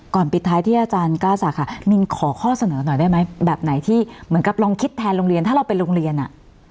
ปิดท้ายที่อาจารย์กล้าศักดิ์ค่ะมินขอข้อเสนอหน่อยได้ไหมแบบไหนที่เหมือนกับลองคิดแทนโรงเรียนถ้าเราเป็นโรงเรียนอ่ะ